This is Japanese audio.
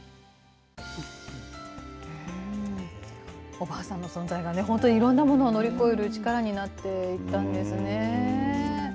おばあさんの存在がね、本当にいろんなものを乗り越える力になっていったんですね。